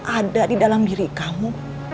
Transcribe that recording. ada di dalam diri kamu